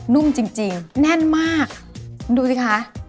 นุ่มจริงแน่นมากเดี๋ยวดูสิคะ